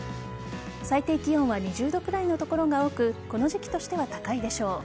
最低気温は２０度くらいの所が多くこの時期としては高いでしょう。